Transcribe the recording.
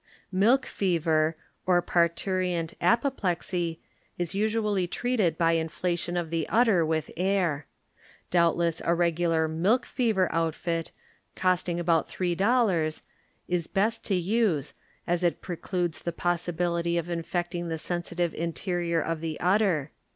Milk Fetek or Paktoriest Apoplexy is usually treated by inflation of the udder with air. Doubtless a regular "milk fever outfit," costing about $3, is best to use, as it precludes the possibility of in fecting the sensitive interior of the udder.